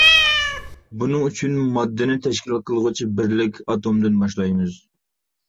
بۇنىڭ ئۈچۈن ماددىنى تەشكىل قىلغۇچى بىرلىك ئاتومدىن باشلايمىز.